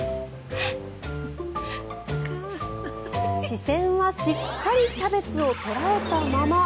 視線はしっかりキャベツを捉えたまま。